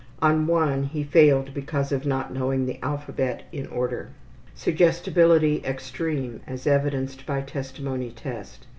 On one he failed because of not knowing the alphabet in order. Suggestibility extreme, as evidenced by testimony test.